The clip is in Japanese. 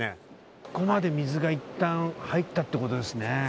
ここまで水がいったん入ったということですね。